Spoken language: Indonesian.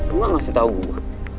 lo gak ngasih tau gue